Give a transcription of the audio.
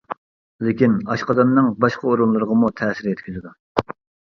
لېكىن ئاشقازاننىڭ باشقا ئورۇنلىرىغىمۇ تەسىر يەتكۈزىدۇ.